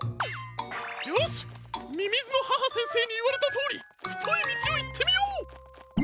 よしみみずの母先生にいわれたとおりふといみちをいってみよう！